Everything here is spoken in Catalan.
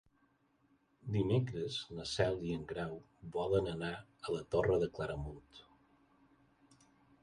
Dimecres na Cel i en Grau volen anar a la Torre de Claramunt.